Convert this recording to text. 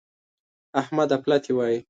احمد اپلاتي وايي.